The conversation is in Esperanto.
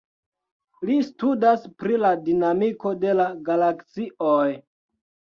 Li studas pri la dinamiko de la galaksioj.